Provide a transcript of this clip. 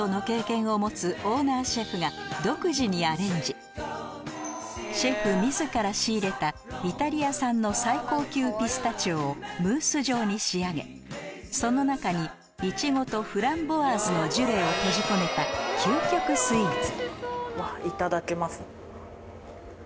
武蔵小山にあるシェフ自ら仕入れたイタリア産の最高級ピスタチオをムース状に仕上げその中にイチゴとフランボワーズのジュレを閉じ込めたいただきます。